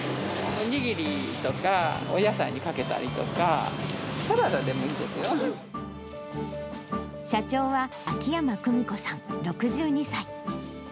お握りとか、お野菜にかけた社長は秋山久美子さん６２歳。